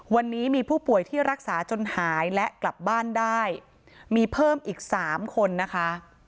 วันนี้มีผู้ป่วยที่รักษาจนหายและกลับบ้านได้มีเพิ่มอีก๓คนนะคะ